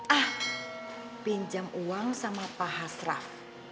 ah pinjam uang sama pak hasraf